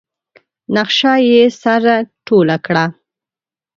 نخشه يې سره ټوله کړه.